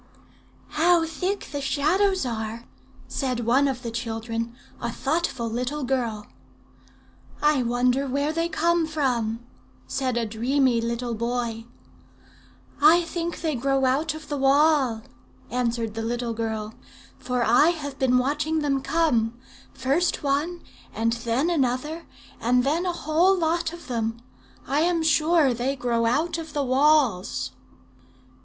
"'How thick the Shadows are!' said one of the children a thoughtful little girl. "'I wonder where they come from,' said a dreamy little boy. "'I think they grow out of the wall,' answered the little girl; 'for I have been watching them come; first one and then another, and then a whole lot of them. I am sure they grow out of the walls.'